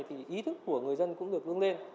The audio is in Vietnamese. thì ý thức của người dân cũng được hướng lên